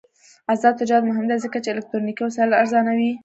آزاد تجارت مهم دی ځکه چې الکترونیکي وسایل ارزانوي.